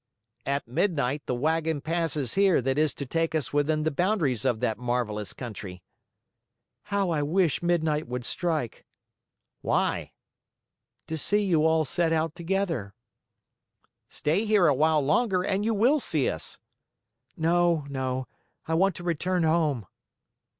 "At midnight the wagon passes here that is to take us within the boundaries of that marvelous country." "How I wish midnight would strike!" "Why?" "To see you all set out together." "Stay here a while longer and you will see us!" "No, no. I want to return home."